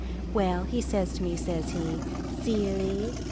Well, he says to me, says he, "Silly."